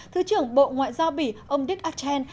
thứ trưởng bộ ngoại giao bỉ ông dick archer